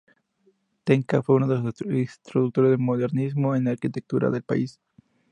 Tenca fue uno de los introductores del Modernismo en la arquitectura del país.